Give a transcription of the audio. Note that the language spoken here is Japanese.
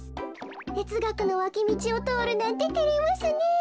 てつがくのわきみちをとおるなんててれますねえ。